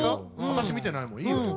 私見てないもんいいわよ。